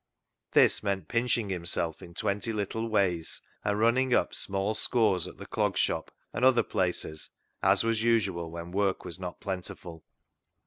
This meant pinching himself in twenty little ways and running up small scores at the Clog Shop, and other places, as was usual when work was not plentiful.